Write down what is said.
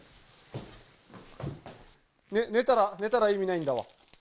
寝たら意味ないんだわ。